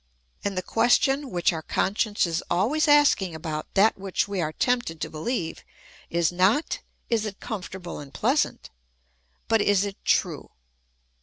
And the question which our conscience is always asking about that which we are tempted to beheve is not, ' Is it comfortable and pleasant ?' but, ' Is it true